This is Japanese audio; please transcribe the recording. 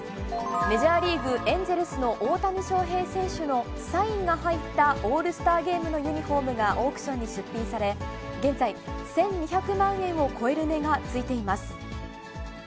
メジャーリーグ・エンゼルスの大谷翔平選手のサインが入ったオールスターゲームのユニホームがオークションに出品され、現在、１２００万円を超える値がついています。